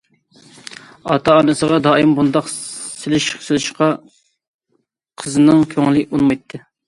ئاتا- ئانىسىغا دائىم بۇنداق سېلىش سېلىشقا قىزنىڭ كۆڭلى ئۇنىمايتتى.